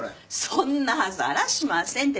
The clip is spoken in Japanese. そんなはずあらしませんって。